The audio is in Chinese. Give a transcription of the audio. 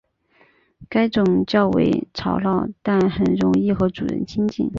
该种较为吵闹但很容易和主人亲近。